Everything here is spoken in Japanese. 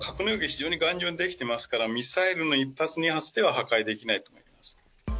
非常に頑丈に出来てますから、ミサイルの１発、２発では破壊できないと思います。